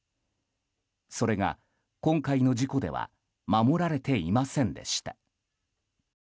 それが、今回の事故では守られていませんでした。